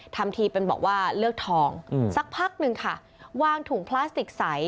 ทำทีเป็นบอกว่าเลือกทองสักพักหนึ่งค่ะวางถุงพลาสติกใส